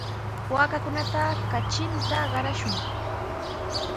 Waakakunata katrinta qarashun.